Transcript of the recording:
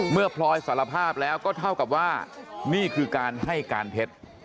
พลอยสารภาพแล้วก็เท่ากับว่านี่คือการให้การเท็จ